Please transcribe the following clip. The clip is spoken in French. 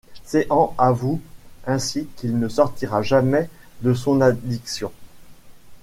Seán avoue ainsi qu’il ne sortira jamais de son addiction.